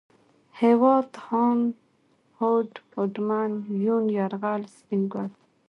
هېواد ، هاند ، هوډ ، هوډمن ، يون ، يرغل ، سپين ګل